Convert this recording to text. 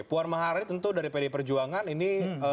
puan maharani tentu dari pd perjuangan ini